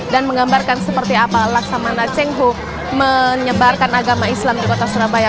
dan menggambarkan seperti apa laksamana cengho menyebarkan agama islam di kota surabaya